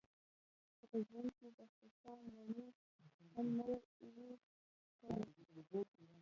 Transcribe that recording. که په ژوند کې دخوسا مڼې خوند نه وي څکلی.